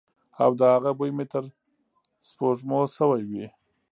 او د هغه بوی مې تر سپوږمو شوی وی.